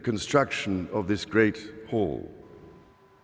kita melihatnya dalam pembinaan hal ini